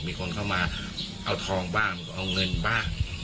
มีคนเข้ามาเอาทองบ้างเอาเงินบ้าง